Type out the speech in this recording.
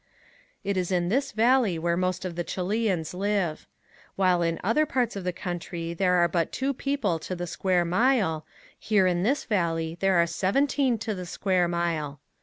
It is in this valley where most of the Chileans live. While in other parts of the country there are but two people to the square mile, here in this valley there are seventeen to the square mile.